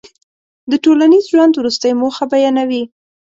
د ټولنیز ژوند وروستۍ موخه بیانوي.